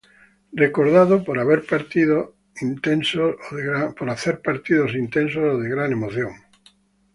Recordado por hacer partidos intensos o de gran emoción.